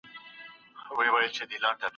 زه بايد درس ولولم.